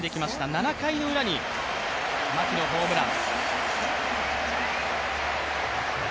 ７回のウラに牧のホームラン。